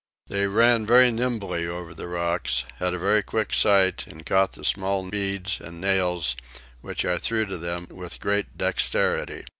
They ran very nimbly over the rocks, had a very quick sight, and caught the small beads and nails which I threw to them with great dexterity.